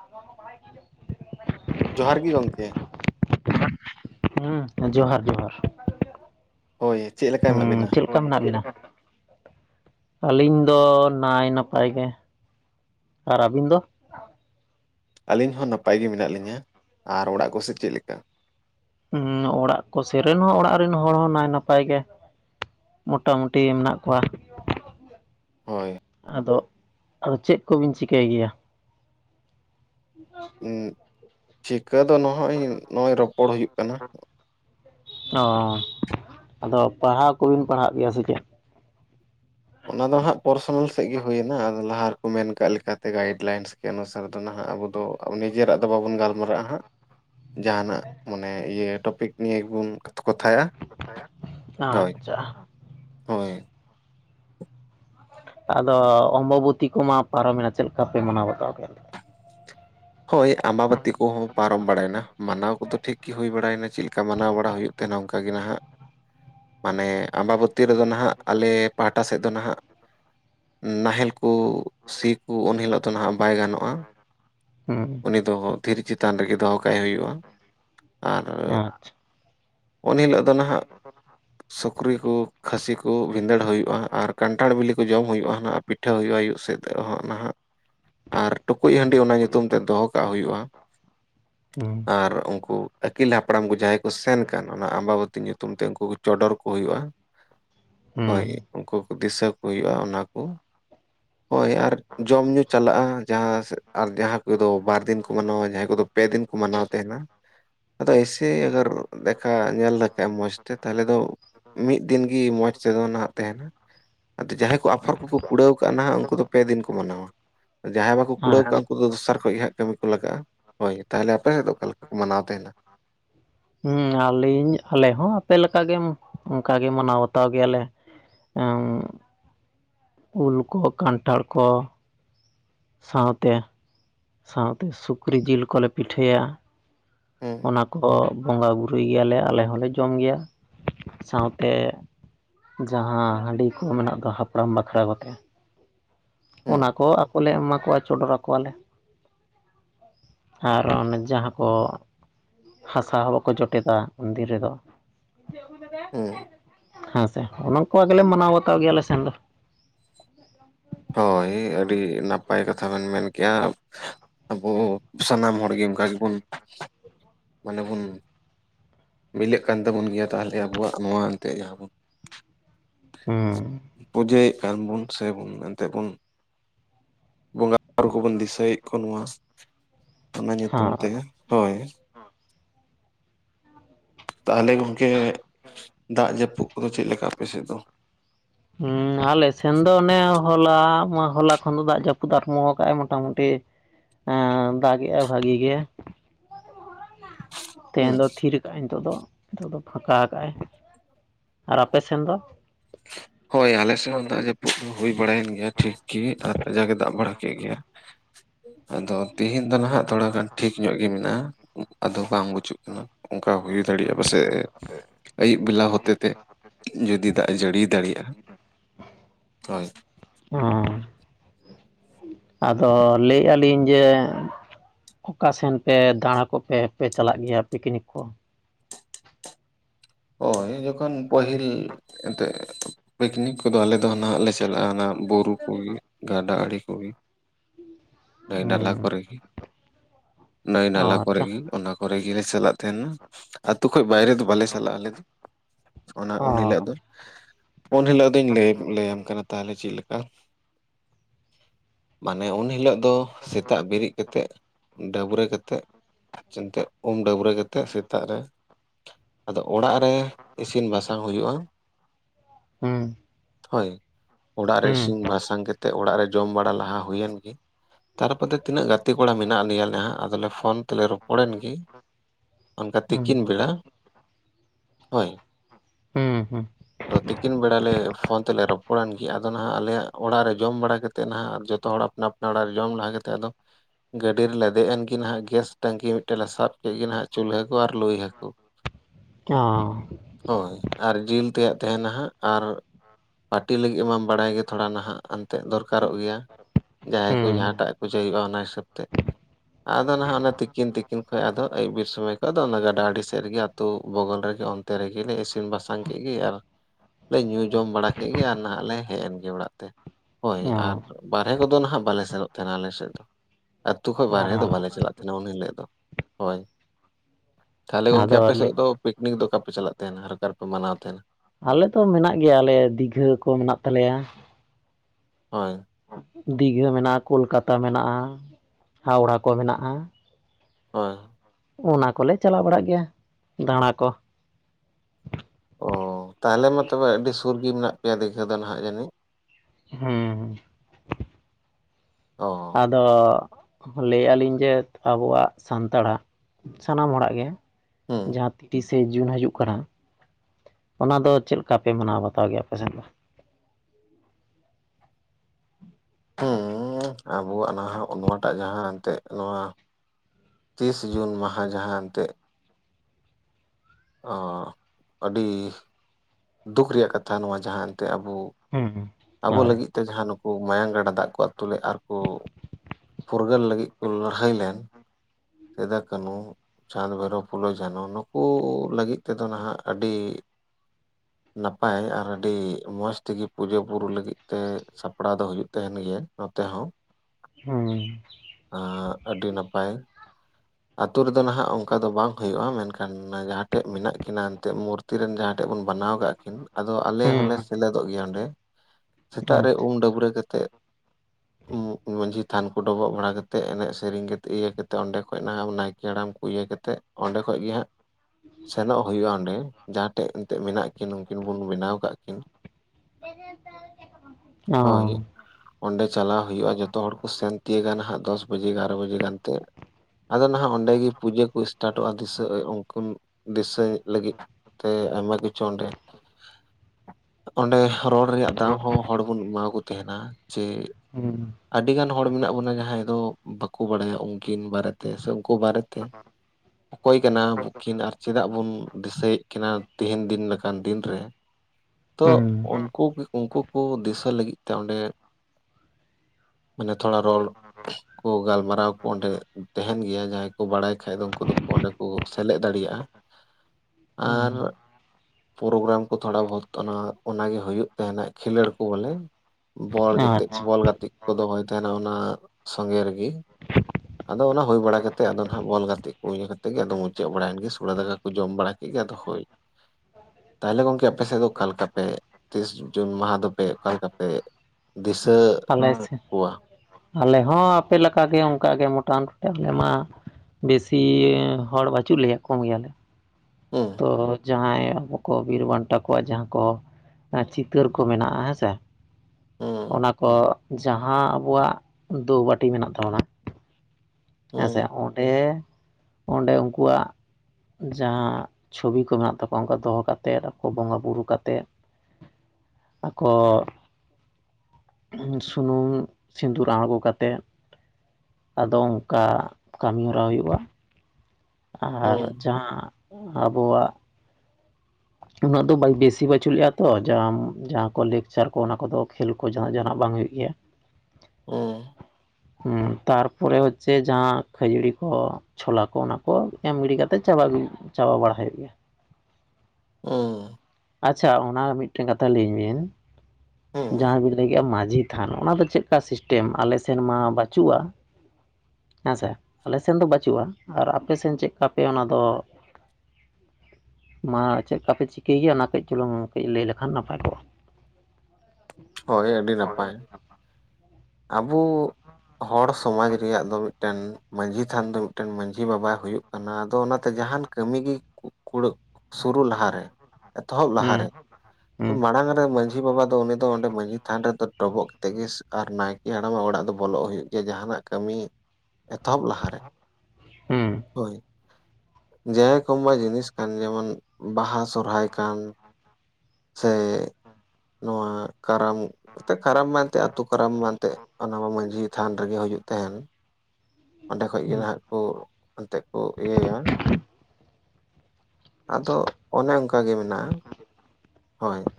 ᱟᱫᱚ ᱵᱟᱭ ᱡᱚᱦᱟᱨ ᱜᱮ ᱜᱚᱢᱠᱮ ᱡᱚᱦᱟᱨ ᱡᱚᱦᱟᱨ ᱦᱳᱭ ᱪᱮᱫ ᱞᱮᱠᱟ ᱢᱮᱱᱟᱜ ᱦᱩᱸ ᱵᱤᱱᱟ ᱪᱮᱫ ᱢᱮᱱᱟᱜ ᱵᱤᱱᱟ ᱟᱹᱞᱤᱧ ᱫᱚ ᱱᱟᱭ ᱱᱟᱯᱟᱭ ᱜᱮ ᱟᱨ ᱟᱹᱵᱤᱱ ᱫᱚ ᱟᱹᱞᱤᱧ ᱦᱚᱸ ᱱᱟᱯᱟᱭ ᱜᱮ ᱢᱮᱱᱟᱜ ᱞᱤᱧᱟᱹ ᱟᱨ ᱚᱲᱟᱜ ᱠᱚᱥᱮ ᱪᱮᱫ ᱞᱮᱠᱟ ᱦᱮᱸ ᱚᱲᱟᱜ ᱠᱚ ᱥᱮᱨᱮᱱ ᱦᱚᱸ ᱚᱲᱟᱜ ᱨᱮᱱ ᱦᱚᱲ ᱦᱚᱸ ᱱᱟᱭ ᱱᱟᱯᱟᱭ ᱜᱮ ᱢᱳᱴᱟᱢᱩᱴᱤ ᱢᱮᱱᱟᱜ ᱠᱚᱣᱟ ᱦᱳᱭ ᱟᱫᱚ ᱟᱫᱚ ᱪᱮᱫ ᱠᱚᱵᱤᱱ ᱪᱤᱠᱟᱹᱭ ᱜᱮᱭᱟ? ᱪᱤᱠᱟᱹ ᱫᱚ ᱱᱚᱜᱼᱚᱭ ᱱᱚᱜᱼᱚᱭ ᱨᱚᱯᱚᱲ ᱦᱩᱭᱩᱜ ᱠᱟᱱᱟ ᱚ ᱟᱫᱚ ᱯᱟᱲᱦᱟᱣ ᱠᱚᱵᱤᱱ ᱯᱟᱲᱦᱟᱜ ᱜᱮᱭᱟ ᱥᱮ ᱪᱮᱫ ᱚᱱᱟ ᱫᱚ ᱦᱟᱸᱜ ᱯᱟᱨᱥᱚᱱᱟᱞ ᱥᱮᱫ ᱜᱮ ᱦᱩᱭᱱᱟ ᱟᱫᱚ ᱞᱟᱦᱟ ᱨᱮᱠᱚ ᱢᱮᱱ ᱠᱟᱜ ᱞᱮᱠᱟᱛᱮ ᱜᱟᱭᱤᱰ ᱞᱟᱭᱤᱱᱥ ᱪᱠᱮ ᱚᱱᱩᱥᱟᱨ ᱫᱚ ᱱᱟᱦᱟᱜ ᱟᱵᱚ ᱱᱤᱡᱮᱨᱟᱜ ᱫᱚ ᱵᱟᱵᱚᱱ ᱜᱟᱞᱢᱟᱨᱟᱜᱼᱟ ᱦᱟᱸᱜ ᱡᱟᱦᱟᱱᱟᱜ ᱢᱟᱱᱮ ᱤᱭᱟᱹ ᱴᱚᱯᱤᱠ ᱱᱤᱭᱮ ᱜᱮᱵᱚᱱ ᱠᱚᱛᱷᱟᱭᱟ ᱦᱳᱭ ᱟᱪᱪᱷᱟ ᱦᱳᱭ ᱟᱫᱚ ᱚᱢᱵᱚᱵᱚᱛᱤ ᱠᱚᱢᱟ ᱯᱟᱨᱚᱢᱮᱱᱟ ᱪᱮᱫ ᱞᱮᱠᱟ ᱯᱮ ᱢᱟᱱᱟᱣ ᱵᱟᱛᱟᱣ ᱠᱮᱫ ᱦᱚᱭ ᱟᱢᱵᱟᱵᱟᱛᱤ ᱠᱚᱦᱚ ᱯᱟᱨᱚᱢ ᱵᱟᱲᱟᱭᱮᱱᱟ ᱢᱟᱱᱟᱣ ᱠᱚᱫᱚ ᱴᱷᱤᱠ ᱜᱮ ᱦᱩᱭ ᱵᱟᱲᱟᱭᱮᱱᱟ ᱪᱮᱫ ᱞᱮᱠᱟ ᱢᱟᱱᱟᱣ ᱵᱟᱲᱟ ᱦᱩᱭᱩᱜ ᱛᱟᱦᱮᱱᱟ ᱚᱱᱠᱟᱜ ᱜᱮ ᱱᱟᱦᱟᱜ ᱢᱟᱱᱮ ᱟᱢᱵᱟᱵᱟᱛᱤ ᱨᱮᱫᱚ ᱱᱟᱦᱟᱜ ᱟᱞᱮ ᱯᱟᱦᱴᱟ ᱥᱮᱫ ᱫᱚ ᱱᱟᱦᱟᱜ ᱱᱟᱦᱮᱞ ᱠᱚ ᱥᱤ ᱠᱚ ᱩᱱ ᱦᱤᱞᱳᱜ ᱫᱚ ᱱᱟᱦᱟᱜ ᱵᱟᱭ ᱜᱟᱱᱚᱜᱼᱟ ᱦᱩᱸ ᱩᱱᱤ ᱫᱚ ᱫᱷᱤᱨᱤ ᱪᱮᱛᱟᱱ ᱨᱮᱜᱮ ᱫᱚᱦᱚ ᱠᱟᱭ ᱦᱩᱭᱩᱜᱼᱟ ᱟᱨ ᱟᱪᱪᱷᱟ ᱩᱱ ᱦᱤᱞᱳᱜ ᱫᱚ ᱱᱟᱦᱟᱜ ᱥᱩᱠᱨᱤ ᱠᱚ ᱠᱷᱟᱹᱥᱤ ᱠᱚ ᱵᱷᱤᱸᱫᱟᱹᱲ ᱦᱩᱭᱩᱜᱼᱟ ᱟᱨ ᱠᱟᱱᱴᱷᱟᱲ ᱵᱤᱞᱤ ᱠᱚ ᱡᱚᱢ ᱦᱩᱭᱩᱜᱼᱟ ᱦᱟᱸ ᱯᱤᱴᱷᱟᱹ ᱯᱤᱴᱷᱟᱹ ᱦᱩᱭᱩᱜᱼᱟ ᱟᱭᱩᱵᱮᱫ ᱱᱟᱦᱟᱜ ᱟᱨ ᱴᱩᱠᱩᱡ ᱦᱟᱺᱰᱤ ᱚᱱᱟ ᱧᱩᱛᱩᱢ ᱧᱩᱛᱩᱢᱛᱩᱢ ᱛᱮ ᱫᱚᱦᱚ ᱠᱟᱜ ᱦᱩᱭᱩᱜᱼᱟ ᱦᱩᱸ ᱟᱨ ᱩᱱᱠᱩ ᱟᱹᱠᱤᱞ ᱦᱟᱯᱲᱟᱢ ᱠᱚ ᱡᱟᱦᱟᱸᱭ ᱠᱚ ᱥᱮᱱ ᱠᱟᱱ ᱚᱱᱟ ᱟᱢᱵᱟᱵᱟᱛᱤ ᱧᱩᱛᱩᱢ ᱛᱮ ᱩᱱᱠᱩ ᱪᱚᱰᱚᱨ ᱠᱚ ᱦᱩᱭᱩᱜᱼᱟ [inaudible] ᱦᱳᱭ ᱦᱩᱸ ᱩᱱᱠᱩ ᱫᱤᱥᱟᱹ ᱠᱚ ᱦᱩᱭᱩᱜᱼᱟ ᱚᱱᱟ ᱠᱚ ᱦᱳᱭ ᱟᱨ ᱡᱚᱢ ᱧᱩ ᱪᱟᱞᱟᱜᱼᱟ ᱡᱟᱦᱟᱸ ᱟᱨ ᱡᱟᱦᱟᱸ ᱚᱠᱚᱭ ᱫᱚ ᱵᱟᱨ ᱫᱤᱱ ᱠᱚ ᱢᱟᱱᱟᱣᱟ ᱡᱟᱦᱟᱸᱭ ᱠᱚᱫᱚ ᱯᱮ ᱫᱤᱱ ᱠᱚ ᱢᱟᱱᱟᱣ ᱛᱟᱦᱮᱱᱟ ᱟᱫᱚ ᱮᱭᱥᱮᱭ ᱟᱜᱟᱨ ᱫᱮᱠᱷᱟ ᱧᱮᱞ ᱞᱮᱠᱟᱜ ᱢᱚᱸᱡᱽ ᱛᱮ ᱛᱟᱦᱚᱞᱮ ᱫᱚ ᱢᱤᱫ ᱫᱤᱱ ᱜᱤ ᱢᱚᱡᱽ ᱛᱮᱫᱚ ᱱᱟᱦᱟᱜ ᱛᱟᱦᱮᱱᱟ ᱟᱫᱚ ᱡᱟᱦᱟᱸᱭ ᱠᱚ ᱟᱯᱚᱨ ᱠᱚᱠᱚ ᱠᱩᱲᱟᱹᱣ ᱟᱠᱟᱜᱼᱟ ᱱᱟᱦᱟᱜ ᱩᱱᱠᱩ ᱫᱚ ᱯᱮ ᱫᱤᱱ ᱠᱚ ᱢᱟᱱᱟᱣᱟ ᱡᱟᱦᱟᱸᱭ ᱵᱟ ᱠᱩᱲᱟᱹᱣ ᱠᱟᱜ-ᱟ ᱟᱪᱪᱷᱟ ᱩᱝᱠᱩ ᱫᱚᱥᱟᱨ ᱠᱷᱡ ᱜᱮ ᱦᱟᱸᱜ ᱠᱟᱹᱢᱤ ᱠᱚ ᱞᱟᱜᱼᱟ, ᱦᱳᱭ ᱛᱟᱦᱞᱮ ᱟᱯᱮ ᱥᱮᱫ ᱫᱚ ᱚᱠᱟ ᱞᱮᱠᱟ ᱠᱚ ᱢᱟᱱᱟᱣ ᱛᱟᱦᱮᱱᱟ ᱩᱸ ᱟᱞᱤᱧ ᱟᱞᱮ ᱦᱚᱸ ᱟᱯᱮᱠ ᱜᱮ ᱚᱱᱠᱟ ᱜᱮ ᱢᱟᱱᱟᱣ ᱵᱟᱛᱟᱣ ᱜᱮᱭᱟᱞᱮ ᱩᱸ [unintelligible] ᱩᱞ ᱠᱚ ᱠᱟᱱᱴᱷᱟᱲ ᱠᱚ ᱥᱟᱶᱛᱮ ᱥᱟᱶᱛᱮ ᱥᱩᱠᱨᱤ ᱡᱤᱞ ᱠᱚᱞᱮ ᱯᱤᱴᱷᱟᱹᱭᱟ ᱦᱩᱸ ᱚᱱᱟ ᱠᱚ ᱵᱚᱸᱜᱟ ᱵᱩᱨᱩᱭ ᱜᱮᱭᱟᱞᱮ ᱟᱞᱮ ᱦᱚᱸᱞᱮ ᱡᱚᱢ ᱜᱮᱭᱟ ᱥᱟᱶᱛᱮ ᱡᱟᱦᱟᱸ ᱦᱟᱺᱰᱤ ᱠᱚ ᱢᱮᱱᱟᱜ ᱫᱚ ᱦᱟᱯᱲᱟᱢ ᱵᱟᱠᱷᱨᱟ ᱠᱚᱛᱮ ᱦᱩᱸ ᱚᱱᱟ ᱠᱚ ᱟᱠᱚᱞᱮ ᱮᱢᱟ ᱠᱚᱣᱟ ᱪᱚᱰᱚᱨ ᱟᱠᱚᱣᱟᱞᱮ ᱟᱨ ᱚᱱᱮ ᱡᱟᱦᱟᱸ ᱠᱚ ᱦᱟᱥᱟ ᱦᱚᱸ ᱵᱟᱠᱚ ᱡᱚᱴᱮ ᱫᱟ ᱩᱱᱫᱤᱱ ᱨᱮᱫᱚ ᱦᱮᱸ ᱦᱮᱸ ᱥᱮ ᱚᱱᱠᱟ ᱜᱮᱞᱮ ᱢᱟᱱᱟᱣ ᱵᱟᱛᱟᱣ ᱜᱮᱭᱟ ᱟᱞᱮ ᱥᱮᱱ ᱫᱚ ᱦᱳᱭ ᱟᱹᱰᱤ ᱱᱟᱯᱟᱭ ᱠᱟᱛᱷᱟ ᱵᱮᱱ ᱢᱮᱱ ᱠᱮᱜᱼᱟ ᱟᱵᱚ ᱥᱟᱱᱟᱢ ᱦᱚᱲᱜᱮ ᱚᱝᱠᱟ ᱜᱮᱵᱚᱱ ᱢᱟᱱᱮ ᱵᱚᱱ ᱢᱤᱞᱟᱹᱜ ᱠᱟᱱ ᱛᱟᱵᱚᱱ ᱜᱮᱭᱟ ᱛᱟᱦᱞᱮ ᱟᱵᱚᱣᱟᱜ ᱱᱚᱣᱟ ᱮᱱᱛᱮᱜ ᱡᱟᱦᱟᱸ ᱵᱚᱱ ᱦᱩᱸ ᱯᱩᱡᱟᱹᱭᱮᱫ ᱠᱟᱱ ᱵᱚᱱ ᱥᱮ ᱵᱚᱱ ᱢᱮᱱᱛᱮ ᱵᱚᱱ ᱵᱚᱸᱜᱟ ᱵᱩᱨᱩ ᱠᱚᱵᱚᱱ ᱫᱤᱥᱟᱹᱭᱮᱫ ᱠᱚᱣᱟ ᱱᱚᱣᱟ ᱚᱱᱟ ᱧᱩᱛᱩᱢ ᱦᱮᱸ ᱛᱮ ᱦᱳᱭ ᱛᱟᱦᱚᱞᱮ ᱜᱚᱢᱠᱮ ᱫᱟᱜ ᱡᱟᱹᱯᱩᱫ ᱠᱚᱫᱚ ᱪᱮᱫ ᱞᱮᱠᱟ ᱟᱯᱮᱥᱮᱫ ᱫᱚ ᱦᱩᱸ ᱟᱞᱮ ᱥᱮᱱ ᱫᱚ ᱚᱱᱮ ᱦᱚᱞᱟ ᱦᱚᱞᱟ ᱠᱷᱚᱱ ᱫᱚ ᱫᱟᱜ ᱡᱟᱹᱯᱩᱫ ᱟᱨᱟᱢᱵᱚ ᱠᱟᱜᱼᱟᱭ ᱢᱚᱴᱟᱢᱩᱴᱤ ᱦᱮᱸ ᱫᱟᱜᱮᱼᱟᱭ ᱵᱷᱟᱜᱤ ᱜᱮ ᱦᱩᱸ ᱛᱮᱦᱮᱧ ᱫᱚ ᱛᱷᱤᱨ ᱠᱟᱜᱼᱟᱭ ᱱᱤᱛᱚᱜ ᱫᱚ ᱱᱤᱛᱚᱜ ᱫᱚ ᱯᱷᱟᱠᱟ ᱠᱟᱜᱼᱟᱭ ᱟᱨ ᱟᱯᱮ ᱥᱮᱱ ᱫᱚ ᱦᱳᱭ ᱟᱞᱮᱥᱮᱫ ᱦᱚᱸ ᱫᱟᱜ ᱡᱟᱹᱯᱩᱫ ᱦᱩᱭ ᱵᱟᱲᱟᱭᱮᱱ ᱜᱮᱭᱟ ᱴᱷᱤᱠ ᱜᱮ ᱟᱨ ᱠᱟᱡᱟᱠᱮ ᱫᱟᱜ ᱵᱟᱲᱟ ᱠᱮᱫ ᱜᱮᱭᱟ [inaudible] ᱟᱫᱚ ᱛᱮᱦᱤᱧ ᱫᱚ ᱱᱟᱦᱟᱜ ᱛᱷᱚᱲᱟ ᱜᱟᱱ ᱴᱷᱤᱠ ᱧᱚᱜ ᱜᱮ ᱢᱮᱱᱟᱜᱼᱟ ᱟᱫᱚ ᱵᱟᱝ ᱵᱩᱪᱩᱜ ᱠᱟᱱᱟ ᱚᱱᱠᱟ ᱦᱩᱭ ᱫᱟᱲᱮᱭᱟᱜᱼᱟ ᱯᱟᱥᱮ ᱟᱹᱭᱩᱵ ᱵᱮᱞᱟ ᱦᱚᱛᱮᱛᱮ ᱡᱩᱫᱤ ᱫᱟᱜ ᱮ ᱡᱟᱹᱲᱤ ᱫᱟᱲᱮᱭᱟᱜ ᱦᱳᱭ [unintelligible] ᱦᱚᱸ ᱟᱫᱚ ᱞᱟᱹᱭᱮᱫᱼᱟ ᱞᱤᱧ ᱡᱮ ᱚᱠᱟ ᱥᱮᱱ ᱯᱮ ᱫᱟᱬᱟ ᱠᱚᱯᱮ ᱪᱟᱞᱟᱜ ᱜᱮᱭᱟ ᱯᱤᱠᱱᱤᱠ ᱠᱚ ᱦᱳᱭ ᱡᱚᱠᱷᱚᱱ ᱯᱟᱹᱦᱤᱞ ᱮᱱᱛᱮᱫ ᱯᱤᱠᱱᱤᱠ ᱠᱚᱫᱚ ᱟᱞᱮ ᱫᱚ ᱱᱟᱜ ᱞᱮ ᱪᱟᱞᱟᱜᱼᱟ ᱱᱟ ᱵᱩᱨᱩ ᱠᱚᱜᱮ ᱜᱟᱰᱟ ᱟᱲᱮ ᱠᱚᱜᱮ ᱱᱟ. ᱭ ᱱᱟᱞᱟ ᱦᱩᱸ ᱠᱚᱨᱮᱜᱮ ᱱᱟᱹᱭ ᱚ ᱱᱟᱞᱟ ᱠᱚᱨᱮ ᱟᱪᱪᱷᱟ ᱜᱤ ᱚᱱᱟ ᱠᱚᱨᱮ ᱜᱮᱞᱮ ᱪᱟᱞᱟᱜ ᱛᱟᱦᱮᱸᱱᱟ ᱟᱛᱳ ᱠᱷᱚᱱ ᱵᱟᱭᱨᱮ ᱫᱚ ᱵᱟᱞᱮ ᱪᱟᱞᱟᱜ ᱟᱞᱮ ᱫᱚ ᱚᱱᱟ ᱚ ᱩᱱ ᱦᱤᱞᱳᱜ ᱫᱚ ᱩᱱ ᱦᱤᱞᱳᱜ ᱫᱚ ᱞᱟᱹᱭ ᱞᱟᱹᱭᱟᱢ ᱠᱟᱱᱟ ᱛᱟᱦᱚᱞᱮ ᱪᱮᱫ ᱞᱮᱠᱟ ᱢᱟᱱᱮ ᱩᱱ ᱦᱤᱞᱚᱜ ᱫᱚ ᱥᱮᱛᱟᱜ ᱵᱮᱨᱮᱫ ᱠᱟᱛᱮᱫ ᱰᱟᱹᱵᱽᱨᱟᱹ ᱠᱟᱛᱮᱜ ᱟᱨ ᱮᱱᱛᱮᱫ ᱩᱢ ᱰᱟᱹᱵᱽᱨᱟᱹ ᱠᱟᱛᱮᱫ ᱥᱮᱛᱟᱜ ᱨᱮ ᱟᱫᱚ ᱚᱲᱟᱜ ᱨᱮ ᱤᱥᱤᱱ ᱵᱟᱥᱟᱝ ᱦᱩᱭᱩᱜᱼᱟ ᱦᱩᱸ ᱦᱳᱭ ᱚᱲᱟᱜ ᱨᱮ ᱦᱩᱸ ᱤᱥᱤᱱ ᱵᱟᱥᱟᱝ ᱠᱟᱛᱮᱜ ᱚᱲᱟᱜ ᱨᱮ ᱡᱚᱢ ᱵᱟᱲᱟ ᱞᱟᱦᱟ ᱦᱩᱭᱮᱱ ᱜᱮ ᱛᱟᱨᱯᱚᱫᱮ ᱛᱤᱱᱟᱹᱜ ᱜᱟᱛᱮ ᱠᱚᱲᱟ ᱢᱮᱱᱟᱜ ᱞᱮᱭᱟᱞᱮ ᱦᱟᱸᱜ ᱟᱫᱚᱞᱮ ᱯᱷᱳᱱ ᱛᱮᱞᱮ ᱨᱚᱯᱚᱲᱮᱱ ᱜᱮ ᱚᱱᱠᱟ ᱦᱩᱸ ᱛᱤᱠᱤᱱ ᱵᱮᱲᱟ ᱦᱳᱭ ᱦᱩᱸ ᱦᱩᱸ ᱟᱫᱚ ᱛᱤᱠᱤᱱ ᱵᱮᱲᱟ ᱞᱮᱮ ᱯᱷᱚᱱ ᱛᱮᱞᱮ ᱨᱚᱯᱚᱲᱟᱱ ᱜᱮ ᱟᱫᱚ ᱱᱟᱦᱟᱜ ᱟᱞᱮᱭᱟᱜ ᱚᱲᱟᱜ ᱨᱮ ᱡᱚᱢ ᱵᱟᱲᱟ ᱠᱟᱛᱮᱫ ᱱᱟᱦᱟᱜ ᱡᱚᱛᱚ ᱦᱚᱲ ᱟᱯᱱᱟᱨ ᱚᱱᱟ ᱨᱮ ᱡᱚᱢ ᱞᱟᱦᱟ ᱠᱟᱛᱮᱫ ᱟᱫᱚ ᱜᱟᱹᱰᱤ ᱨᱮᱞᱮ ᱫᱮᱡ ᱮᱱᱟ ᱱᱟᱦᱟᱜ ᱜᱮᱥ ᱴᱟᱹᱝᱠᱤ ᱢᱤᱫᱴᱮᱱ ᱞᱮ ᱥᱟᱵ ᱠᱮᱫ ᱜᱮ ᱱᱟᱦᱟᱜ ᱪᱩᱞᱦᱟᱹᱠᱩ ᱟᱨ ᱞᱩᱭ ᱦᱟᱹᱠᱩ ᱚᱸ ᱦᱚᱸ ᱟᱨ ᱡᱤᱞ ᱛᱮᱭᱟᱜ ᱛᱟᱦᱮᱱᱟ ᱦᱟᱸᱜ ᱟᱨ ᱯᱟᱨᱴᱤ ᱞᱟᱹᱜᱤᱫ ᱢᱟᱢ ᱵᱟᱲᱟᱭ ᱜᱮ ᱛᱷᱚᱲᱟ ᱱᱟᱦᱟᱜ ᱮᱱᱛᱮ ᱫᱚᱨᱠᱟᱨᱚᱜ ᱜᱮᱭᱟ ᱡᱟᱦᱟᱸᱭ ᱠᱚ ᱦᱩᱸ ᱡᱟᱦᱟᱸᱴᱟᱜ ᱪᱟᱹᱭᱟᱹᱵᱟ ᱚᱱᱟ ᱦᱤᱥᱟᱹᱵ ᱛᱮ ᱟᱫᱚ ᱱᱟᱦᱟᱜ ᱚᱱᱟ ᱛᱤᱠᱤᱱ ᱛᱤᱠᱤᱱ ᱠᱷᱫᱚ ᱟᱹᱭᱩ ᱵᱤᱨ ᱥᱚᱢᱚᱭ ᱠᱚᱫᱚ ᱚᱱᱟ ᱜᱟᱰᱟ ᱟᱹᱰᱤ ᱥᱮᱫ ᱨᱮᱜᱮ ᱛᱚ ᱵᱚᱜᱚᱞ ᱨᱮᱜᱮ ᱚᱱᱛᱮ ᱨᱮᱜᱮ ᱤᱥᱤᱱ ᱵᱟᱥᱟᱝ ᱠᱮᱜ ᱜᱮᱭᱟ ᱟᱨ ᱞᱮ ᱧᱩ ᱡᱚᱢ ᱵᱟᱲᱟ ᱠᱮᱜ ᱜᱮᱭᱟ ᱟᱨ ᱱᱟᱦᱟᱜ ᱞᱮ ᱦᱮᱡ ᱮᱱ ᱜᱮ ᱚᱲᱟᱜ ᱛᱮ ᱦᱚᱭ ᱚ ᱟᱨ ᱵᱟᱨ ᱦᱮ ᱠᱚᱫᱚ ᱱᱟᱦᱟᱜ ᱵᱟᱞᱮ ᱥᱮᱱᱚᱜ ᱛᱟᱦᱮᱱᱟ ᱟᱞᱮ ᱥᱮᱫ ᱫᱚ ᱟᱹᱛᱩ ᱠᱷᱚᱱ ᱚ ᱵᱟᱨᱦᱮ ᱫᱚ ᱵᱟᱞᱮ ᱪᱟᱞᱟᱜ ᱛᱟᱦᱮᱱᱟ ᱩᱱ ᱦᱤᱞᱚᱜ ᱫᱚ ᱦᱚᱭ ᱛᱟᱦᱞᱮ ᱜᱚᱢᱠᱮ ᱟᱫᱚ ᱞᱟᱹᱭ ᱯᱤᱠᱱᱤᱠ ᱫᱚ ᱚᱠᱟ ᱯᱮ ᱪᱟᱞᱟᱜ ᱛᱟᱦᱮᱱᱟ ᱟᱨ ᱟᱨ ᱚᱠᱟ ᱨᱮ ᱯᱮ ᱢᱟᱱᱟᱣ ᱛᱟᱦᱮᱱᱟ ᱟᱞᱮ ᱛᱚ ᱢᱮᱱᱟᱜ ᱜᱮᱭᱟᱞᱮ ᱫᱤᱜᱷᱟᱹ ᱠᱚ ᱢᱮᱱᱟᱜ ᱛᱟᱞᱮᱭᱟ ᱦᱚᱭ ᱫᱤᱜᱷᱟᱹ ᱢᱮᱱᱟᱜᱼᱟ ᱠᱳᱞᱠᱟᱛᱟ ᱢᱮᱱᱟᱜᱼᱟ ᱦᱟᱣᱲᱟ ᱠᱚ ᱢᱮᱱᱟᱜᱼᱟ ᱦᱚᱭ ᱚᱱᱟ ᱠᱚᱞᱮ ᱪᱟᱞᱟᱣ ᱵᱟᱲᱟᱜ ᱜᱮᱭᱟ ᱫᱟᱬᱟ ᱠᱚ ᱚ ᱛᱟᱦᱚᱞᱮ ᱢᱟ ᱛᱚᱵᱮ ᱟᱹᱰᱤ ᱥᱩᱨ ᱜᱮ ᱢᱮᱱᱟᱜ ᱯᱮᱭᱟ ᱫᱤᱜᱷᱟ ᱫᱚ ᱱᱟᱦᱟᱜ ᱡᱟᱹᱱᱤᱡ ᱦᱮᱸ ᱚ ᱟᱫᱚ ᱞᱟᱹᱭᱼᱟ ᱞᱤᱧ ᱡᱮ ᱟᱵᱚᱣᱟᱜ ᱥᱟᱱᱛᱟᱲᱟᱜ ᱥᱟᱱᱟᱢ ᱦᱚᱲᱟᱜ ᱜᱮ ᱦᱩᱸ ᱡᱟᱦᱟᱸ ᱛᱤᱨᱤᱥ ᱥᱮ ᱡᱩᱱ ᱦᱤᱡᱩᱜ ᱠᱟᱱᱟ ᱚᱱᱟ ᱫᱚ ᱪᱮᱫ ᱞᱮᱠᱟ ᱯᱮ ᱢᱟᱱᱟᱣ ᱵᱟᱛᱟᱣ ᱜᱮᱭᱟ ᱟᱯᱮ ᱥᱮᱱ ᱫᱚ ᱦᱮ ᱟᱵᱚᱣᱟᱜ ᱱᱟᱦᱟᱜ ᱱᱚᱣᱟᱴᱟᱜ ᱡᱟᱦᱟᱸ ᱮᱱᱛᱮᱫ ᱱᱚᱣᱟ ᱛᱤᱥ ᱡᱩᱱ ᱢᱟᱦᱟ ᱡᱟᱦᱟᱸ ᱮᱱᱛᱮᱫ ᱟᱹᱰᱤ ᱫᱩᱠ ᱨᱮᱭᱟᱜ ᱠᱟᱛᱷᱟ ᱱᱚᱣᱟ ᱡᱟᱦᱟᱸ ᱮᱱᱛᱮᱜ ᱟᱵᱚ ᱦᱩᱸ ᱟᱵᱚ ᱦᱳᱭ ᱞᱟᱹᱜᱤᱫ ᱛᱮ ᱡᱟᱦᱟᱸ ᱱᱩᱠᱩ ᱢᱟᱭᱟᱝ ᱜᱟᱰᱟ ᱫᱟᱜ ᱠᱚ ᱟᱹᱛᱩ ᱞᱮᱫ ᱟᱨ ᱠᱚ ᱯᱷᱩᱨᱜᱟᱹᱞ ᱞᱟᱹᱜᱤᱫ ᱠᱚ ᱞᱟᱹᱲᱦᱟᱹᱭ ᱞᱮᱱ ᱥᱤᱫᱟᱹ ᱠᱟᱱᱦᱩ ᱪᱟᱸᱫᱽ ᱵᱷᱟᱭᱨᱚ ᱯᱷᱩᱞᱚ ᱡᱦᱟᱱᱚ ᱱᱩᱠᱩ ᱞᱟᱹᱜᱤᱫ ᱛᱮᱫᱚ ᱱᱟᱦᱟᱜ ᱟᱹᱰᱤ ᱱᱟᱯᱟᱭ ᱟᱨ ᱟᱹᱰᱤ ᱢᱚᱡᱽ ᱛᱮᱜᱮ ᱯᱩᱡᱟᱹ ᱵᱩᱨᱩ ᱞᱟᱹᱜᱤᱫ ᱛᱮ ᱥᱟᱯᱲᱟᱣ ᱫᱚ ᱦᱩᱭᱩᱜ ᱛᱟᱦᱮᱱ ᱜᱮᱭᱟ ᱱᱚᱛᱮ ᱦᱚᱸ ᱦᱩᱸᱻ ᱟᱸᱻ ᱟᱹᱰᱤ ᱱᱟᱯᱟᱭ ᱟᱛᱩ ᱨᱮᱫᱚ ᱱᱟᱦᱟᱜ ᱚᱱᱠᱟ ᱫᱚ ᱵᱟᱝ ᱦᱩᱭᱩᱜᱼᱟ ᱢᱮᱱᱠᱷᱟᱱ ᱡᱟᱦᱟᱸ ᱴᱷᱮᱱ ᱢᱮᱱᱟᱜ ᱠᱤᱱᱟᱹ ᱮᱱᱛᱮᱫ ᱢᱩᱨᱛᱤ ᱨᱮᱱ ᱡᱟᱦᱟᱸ ᱴᱷᱮᱱ ᱵᱚᱱ ᱵᱮᱱᱟᱣ ᱠᱟᱜ ᱟᱫᱚ ᱟᱞᱮ ᱦᱩᱸ ᱦᱚᱸᱞᱮ ᱥᱮᱞᱮᱫᱚᱜ ᱜᱮᱭᱟ ᱚᱸᱰᱮ ᱥᱮᱛᱟᱜ ᱨᱮ ᱩᱢ ᱟᱪᱪᱷᱟ ᱰᱟᱹᱵᱨᱟᱹ ᱠᱟᱛᱮᱫ ᱢᱟᱺᱡᱷᱤ ᱛᱷᱟᱱ ᱠᱚ ᱰᱚᱵᱚᱜ ᱵᱟᱲᱟ ᱠᱟᱛᱮᱫ ᱮᱱᱮᱡ ᱥᱮᱨᱮᱧ ᱠᱟᱛᱮᱫ ᱤᱭᱟᱹ ᱠᱟᱛᱮᱫ ᱚᱸᱰᱮ ᱠᱷᱚᱡ ᱱᱟ ᱱᱟᱭᱠᱮ ᱦᱟᱲᱟᱢ ᱠᱚ ᱤᱭᱟᱹ ᱠᱟ ᱠᱟᱛᱮᱫ ᱚᱸᱰᱮ ᱠᱷᱚ ᱜᱮ ᱦᱟᱸᱜ ᱥᱮᱱᱚᱜ ᱦᱩᱭᱩᱜᱼᱟ ᱚᱸᱰᱮ ᱡᱟᱦᱟᱸ ᱴᱷᱮᱱ ᱮᱱᱛᱮᱫ ᱢᱮᱱᱟᱜ ᱠᱤᱱ ᱩᱱᱠᱤᱱ ᱵᱩᱱ ᱵᱮᱱᱟᱣ ᱠᱟᱜ ᱠᱤᱱ ᱦᱳᱭ ᱚᱸ ᱚᱸᱰᱮ ᱪᱟᱞᱟᱣ ᱦᱩᱭᱩᱜᱼᱟ ᱡᱚᱛᱚ ᱦᱚᱲ ᱠᱚ ᱥᱮᱱ ᱛᱤᱭᱜ ᱦᱟᱸᱜ ᱫᱚᱥ ᱵᱟᱡᱮ ᱮᱜᱟᱨᱚ ᱵᱟᱡᱮ ᱜᱟᱱᱛᱮ ᱟᱫᱚ ᱱᱟᱦᱟᱜ ᱚᱸᱰᱮ ᱜᱮ ᱯᱩᱡᱟᱹ ᱠᱚ ᱮᱴᱟᱴᱚᱜᱼᱟ ᱫᱤᱥᱟᱹ ᱩᱱᱠᱩ ᱫᱤᱥᱟᱹᱭ ᱞᱟᱹᱜᱤᱫ ᱛᱮ ᱟᱭᱢᱟ ᱠᱤᱪᱷᱩ ᱚᱸᱰᱮ ᱚᱸᱰᱮ ᱨᱚᱲ ᱨᱮᱭᱟᱜ ᱫᱟᱣ ᱦᱚᱸ ᱦᱚᱲ ᱵᱚᱱ ᱮᱢᱟ ᱠᱚ ᱛᱟᱦᱮᱱᱟ ᱡᱮ ᱦᱩᱸ ᱟᱹᱰᱤ ᱜᱟᱱ ᱦᱚᱲ ᱢᱮᱱᱟᱜ ᱵᱚᱱᱟ ᱡᱟᱦᱟᱸᱭ ᱫᱚ ᱵᱟᱠᱚ ᱵᱟᱰᱟᱭᱟ ᱤᱧ ᱵᱟᱨᱮᱛᱮ ᱥᱮ ᱩᱱᱠᱩ ᱵᱟᱨᱮᱛᱮ ᱚᱠᱚᱭ ᱠᱟᱱᱟ ᱩᱱᱠᱤᱱ ᱠᱤᱱ ᱟᱨ ᱪᱮᱫᱟᱜ ᱵᱚᱱ ᱫᱤᱥᱟᱹᱭᱮᱫ ᱠᱤᱱᱟ ᱛᱮᱦᱮᱧ ᱫᱤᱱ ᱞᱮᱠᱟᱱ ᱫᱤᱱ ᱨᱮ [inaudible] ᱛᱚ ᱩᱱᱠᱩ ᱩᱱᱠᱩ ᱠᱚ ᱫᱤᱥᱟᱹ ᱞᱟᱹᱜᱤᱫ ᱛᱮ ᱚᱸᱰᱮ ᱢᱟᱱᱮ ᱛᱷᱚᱲᱟ ᱨᱚᱲ ᱠᱚ ᱜᱟᱞᱢᱟᱨᱟᱣ ᱠᱚ ᱚᱸᱰᱮ ᱛᱟᱦᱮᱱ ᱜᱮᱭᱟ ᱡᱟᱦᱟᱸᱭ ᱠᱚ ᱵᱟᱲᱟᱭ ᱠᱷᱟᱡ ᱫᱚ ᱩᱱᱠᱩ ᱫᱚ ᱚᱸᱰᱮ ᱠᱚ ᱥᱮᱞᱮᱫ ᱫᱟᱲᱮᱭᱟᱜᱼᱟ ᱦᱩᱸ ᱟᱨ ᱯᱨᱳᱜᱨᱟᱢ ᱠᱚ ᱛᱷᱚᱲᱟ ᱵᱚᱦᱩᱛ ᱚᱱᱟᱜᱮ ᱦᱩᱭᱩᱜ ᱛᱟᱦᱮᱱᱟ ᱠᱷᱮᱞᱳᱰ ᱠᱚ ᱵᱚᱞᱮ ᱵᱚᱞ ᱜᱟᱛᱮᱜ ᱟᱪᱪᱷᱟ ᱵᱚᱞ ᱜᱟᱛᱮᱜ ᱠᱚ ᱫᱚᱦᱚᱭ ᱛᱟᱦᱮᱱᱟ ᱚᱱᱟ ᱥᱚᱸᱜᱮ ᱨᱮᱜᱮ ᱟᱫᱚ ᱚᱱᱟ ᱦᱩᱭ ᱵᱟᱲᱟ ᱠᱟᱛᱮᱫ ᱟᱫᱚ ᱱᱟᱟᱜ ᱵᱚᱞ ᱜᱟᱛᱮᱜ ᱠᱚ ᱤᱭᱟᱹ ᱠᱟᱛᱮ ᱜᱮ ᱟᱫᱚ ᱢᱩᱪᱟᱹᱫ ᱵᱟᱲᱟᱭᱮᱱ ᱜᱮ ᱥᱩᱲᱟᱹ ᱫᱟᱠᱟ ᱠᱚ ᱡᱚᱢ ᱵᱟᱲᱟ ᱠᱮᱫ ᱜᱮ ᱟᱫᱚ ᱦᱳᱭ [inaudible] ᱛᱟᱦᱚᱞᱮ ᱜᱚᱝᱠᱮ ᱟᱯᱮ ᱥᱮᱫ ᱫᱚ ᱚᱠᱟ ᱞᱮᱠᱟ ᱯᱮ ᱛᱤᱥ ᱡᱩᱱ ᱢᱟᱦᱟ ᱫᱚᱯᱮ ᱚᱠᱟ ᱞᱮᱠᱟ ᱯᱮ ᱫᱤᱥᱟᱹ ᱟᱞᱮ ᱥᱮ ᱠᱚᱣᱟ ᱟᱞᱮ ᱦᱚᱸ ᱟᱯᱮ ᱞᱮᱠᱟᱜᱮ ᱚᱱᱠᱟᱜᱮ ᱢᱚᱴᱟᱢᱩᱴᱤ ᱟᱞᱮ ᱢᱟ ᱵᱮᱥᱤ ᱦᱚᱲ ᱵᱟᱪᱩᱜ ᱞᱮᱭᱟ ᱠᱚᱢ ᱜᱮᱭᱟᱞᱮ ᱦᱮᱸ ᱛᱚ ᱡᱟᱦᱟᱸᱭ ᱟᱵᱚ ᱠᱚ ᱵᱤᱨ ᱵᱟᱱᱴᱟ ᱠᱚᱣᱟ ᱡᱟᱦᱟᱸ ᱠᱚ ᱪᱤᱛᱟᱹᱨ ᱠᱚ ᱢᱮᱱᱟᱜᱼᱟ ᱦᱮᱸ ᱥᱮ ᱦᱩᱸ ᱚᱱᱟ ᱠᱚ ᱡᱟᱦᱟᱸ ᱟᱵᱚᱣᱟᱜ ᱫᱳᱣᱵᱟᱹᱴᱤ ᱢᱮᱱᱟᱜ ᱛᱟᱵᱚᱱᱟ ᱦᱮᱸ ᱥᱮ ᱦᱩᱸ ᱚᱸᱰᱮ ᱚᱸᱰᱮ ᱩᱱᱠᱩᱣᱟᱜ ᱡᱟᱦᱟᱸ ᱪᱷᱚᱵᱤ ᱠᱚ ᱢᱮᱱᱟᱜ ᱛᱟᱠᱚᱣᱟ ᱚᱱᱠᱟ ᱫᱚᱦᱚ ᱠᱟᱛᱮᱫ ᱟᱠᱚ ᱵᱚᱸᱜᱟ ᱵᱳᱨᱳ ᱠᱟᱛᱮᱫ ᱟᱠᱚ ᱥᱩᱱᱩᱢ ᱥᱤᱫᱩᱨ ᱟᱬᱜᱚ ᱠᱟᱛᱮᱜ ᱟᱫᱚ ᱚᱱᱠᱟ ᱠᱟᱹᱢᱤ ᱦᱚᱨᱟ ᱦᱩᱭᱩᱜᱼᱟ ᱟᱨ ᱦᱩᱸ ᱡᱟᱦᱟᱸ ᱟᱵᱚᱣᱟᱜ ᱩᱱᱟᱹᱜ ᱫᱚ ᱵᱮᱥᱤ ᱵᱟᱹᱪᱩᱜ ᱞᱮᱫᱼᱟ ᱛᱚ ᱡᱟᱦᱟᱸ ᱡᱟᱦᱟᱸ ᱠᱚ ᱞᱮᱠᱪᱟᱨ ᱠᱚ ᱚᱱᱟ ᱠᱚᱫᱚ ᱠᱷᱮᱞ ᱠᱚᱱᱟᱜ ᱡᱟᱦᱟᱱᱟᱜ ᱵᱟᱝ ᱦᱩᱭᱩᱜ ᱜᱮᱭᱟ [inaudible] ᱚ ᱛᱟᱨᱯᱚᱨᱮ ᱦᱚᱪᱷᱮ ᱡᱟᱦᱟᱸ ᱠᱷᱟᱹᱡᱟ, ᱲᱤ ᱠᱚ ᱪᱷᱳᱞᱟ ᱠᱚ ᱚᱱᱟ ᱠᱚ ᱮᱢ ᱜᱤᱰᱤ ᱠᱟᱛᱮ ᱪᱟᱵᱟ ᱪᱟᱵᱟ ᱵᱟᱲᱟ ᱦᱩᱭᱩᱜ ᱜᱮᱭᱟ ᱚ [unintelligible] ᱟᱪᱪᱷᱟ ᱚᱱᱟ ᱢᱤᱫᱴᱮᱱ ᱠᱟᱛᱷᱟ ᱞᱟᱹᱭᱟᱹᱧ ᱵᱤᱱ ᱦᱩᱸ ᱡᱟᱦᱟᱸᱵᱤᱱ ᱞᱟᱹᱭ ᱠᱮᱫᱼᱟ ᱢᱟᱡᱷᱤ ᱛᱟᱱ ᱚᱱᱟ ᱫᱚ ᱪᱮᱫ ᱞᱮᱠᱟ ᱥᱤᱥᱴᱮᱢ ᱟᱞᱮ ᱥᱮᱱ ᱢᱟ ᱵᱟᱹᱪᱩᱜᱼᱟ ᱦᱮᱸᱥᱮ ᱟᱞᱮᱥᱮᱱ ᱫᱚ ᱵᱟᱹᱪᱩᱜᱼᱟ ᱟᱨ ᱟᱯᱮᱥᱮᱱ ᱪᱮᱫ ᱞᱮᱠᱟᱯᱮ ᱚᱱᱟ ᱫᱚ ᱢᱟ ᱪᱮᱫ ᱞᱮᱠᱟ ᱯᱮ ᱪᱤᱠᱟᱹᱭ ᱜᱮᱭᱟ ᱚᱱᱟ ᱠᱟᱹᱡ ᱪᱚᱞᱩ ᱠᱟᱹᱡ ᱞᱟᱹᱭ ᱞᱮᱠᱷᱟᱱ ᱱᱟᱯᱟᱭ ᱠᱚᱜᱼᱟ ᱦᱚᱭ ᱟᱹᱰᱤ ᱱᱟᱯᱟᱭ ᱟᱵᱚ ᱦᱚᱲ ᱥᱚᱢᱟᱡᱽ ᱨᱮᱭᱟᱜ ᱫᱚ ᱢᱤᱫᱴᱮᱱ ᱢᱟᱟᱹᱡᱷᱤ ᱛᱷᱟᱱ ᱫᱚ ᱢᱤᱫᱴᱮᱱ ᱢᱟᱺᱡᱷᱤ ᱵᱟᱵᱟ ᱦᱩᱭᱩᱜ ᱠᱟᱱᱟ ᱟᱫᱚ ᱚᱱᱟᱛᱮ ᱡᱟᱦᱟᱱ ᱠᱟᱹᱢᱤ ᱜᱮ ᱠᱩᱲᱟᱹᱜ ᱥᱩᱨᱩ ᱞᱟᱦᱟᱨᱮ ᱮᱛᱚᱦᱚᱵ ᱦᱩᱸ ᱞᱟᱦᱟᱨᱮ ᱦᱩᱸ ᱢᱟᱲᱟᱝ ᱨᱮ ᱢᱟᱺᱡᱷᱤ ᱢᱟᱺᱡᱷᱤ ᱵᱟᱵᱟ ᱫᱚ ᱩᱱᱤ ᱫᱚ ᱚᱸᱰᱮ ᱢᱟᱺᱡᱷᱤ ᱛᱷᱟᱱ ᱨᱮᱫᱚ ᱰᱚᱵᱚᱜ ᱠᱟᱛᱮ ᱜᱮ ᱟᱨ ᱱᱟᱭᱮ ᱦᱟᱲᱟᱢᱟᱜ ᱚᱲᱟᱜ ᱫᱚ ᱵᱚᱞᱚᱜ ᱦᱩᱭᱩᱜ ᱜᱮᱭᱟ ᱡᱟᱦᱟᱱᱟᱜ ᱠᱟᱹᱢᱤ ᱮᱛᱚᱦᱚᱵ ᱞᱟᱦᱟ ᱨᱮ ᱦᱩᱸ ᱦᱳᱭ ᱡᱮᱭ ᱠᱚᱢᱟ ᱡᱤᱱᱤᱥ ᱠᱟᱱ ᱡᱮᱢᱚᱱ ᱵᱟᱦᱟ ᱥᱚᱨᱦᱟᱭ ᱠᱟᱱ ᱥᱮ ᱱᱚᱣᱟ ᱠᱟᱨᱟᱱ ᱠᱷᱟᱨᱟᱢ ᱢᱟᱱᱛᱮ ᱟᱛᱩ ᱠᱷᱟᱨᱟᱢ ᱢᱟᱱ ᱚᱱᱟ ᱢᱟᱺᱡᱷᱤ ᱛᱷᱟᱱ ᱨᱮᱜᱮ ᱦᱩᱭᱩᱜ ᱛᱟᱦᱮᱱ ᱚᱸᱰᱮ ᱠᱷᱚᱱ ᱜᱮᱱᱟᱦᱟᱜ ᱠᱚ ᱟᱛᱮ ᱠᱚ ᱜᱮᱭᱟ ᱟᱫᱚ ᱚᱱᱮ ᱚᱱᱠᱟ ᱜᱮ ᱢᱮᱱᱟᱜᱼᱟ ᱦᱳᱭ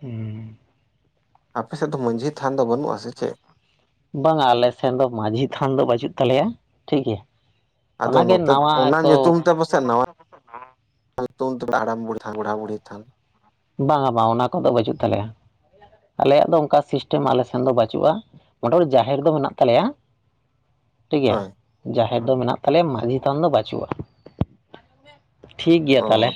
ᱦᱩᱸ [unintelligible] ᱟᱯᱮ ᱥᱮᱫ ᱫᱚ ᱢᱟᱹᱡᱷᱤ ᱥᱷᱟᱱ ᱫᱚ ᱵᱟᱹᱱᱩᱜ [unintelligible] ᱵᱟᱝᱟ ᱟᱞᱮ ᱥᱮᱱ ᱫᱚ ᱢᱟᱹᱡᱷᱤ ᱛᱷᱟᱱ ᱫᱚ ᱵᱟᱹᱪᱩᱜ ᱛᱟᱞᱮᱭᱟ ᱴᱷᱤᱠ ᱜᱮᱭᱟ ᱟᱫᱚ ᱚᱱᱟᱜᱮ ᱱᱚᱛᱮ ᱱᱟᱣᱟ ᱚᱱᱟ ᱠᱚ ᱧᱩᱛᱩᱢ ᱟᱛᱮ ᱯᱟᱥᱮ ᱱᱟᱣᱟ ᱥᱤᱛᱩᱝ ᱛᱮ ᱦᱟᱲᱟᱢ ᱵᱩᱲᱦᱤ ᱛᱷᱟᱱ ᱜᱩᱰᱦᱟ ᱵᱩᱰᱦᱤ ᱛᱷᱟᱱ᱾ ᱵᱟᱝ ᱵᱟᱝ ᱚᱱᱟ ᱠᱚᱫᱚ ᱵᱟᱹᱪᱩᱜ ᱛᱟᱞᱮᱭᱟ᱾ ᱟᱞᱮᱭᱟᱜ ᱫᱚ ᱚᱱᱠᱟ ᱥᱤᱥᱴᱮᱢ ᱟᱞᱮ ᱥᱮᱱ ᱫᱚ ᱵᱟᱹᱪᱩᱜᱼᱟ᱾ ᱢᱚᱴᱮ ᱢᱩᱴᱤ ᱡᱟᱦᱮᱨ ᱫᱚ ᱢᱮᱱᱟᱜ ᱛᱟᱞᱮᱭᱟ᱾ ᱴᱷᱤᱠ ᱜᱮᱭᱟ ᱦᱳᱭ ᱡᱟᱦᱮᱨ ᱫᱚ ᱢᱮᱱᱟᱜ ᱛᱟᱞᱮᱭᱟ ᱢᱟᱹᱡᱷᱤ ᱛᱷᱟᱱ ᱫᱚ ᱵᱟᱹᱪᱩᱜᱼᱟ᱾ ᱴᱷᱤᱠ ᱜᱮᱭᱟ ᱛᱟᱞᱦᱮ, ᱚ